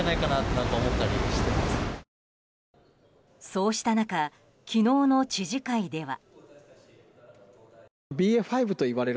そうした中昨日の知事会では。